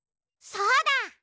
そうだ！